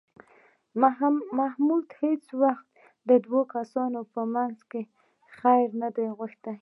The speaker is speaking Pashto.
محمود هېڅ وخت د دوو کسانو په منځ کې خیر نه دی غوښتی